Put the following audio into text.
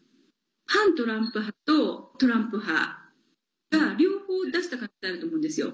反トランプ派とトランプ派が両方出した可能性あると思うんですよ。